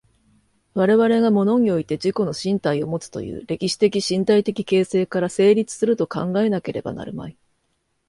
我々が物において自己の身体をもつという歴史的身体的形成から成立すると考えなければなるまい。